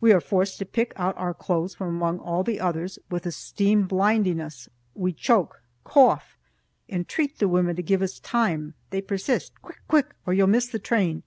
We are forced to pick out our clothes from among all the others, with the steam blinding us; we choke, cough, entreat the women to give us time; they persist, "Quick, quick, or you'll miss the train!"